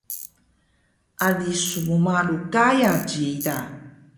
Ali smmalu Gaya ciida